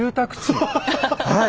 はい。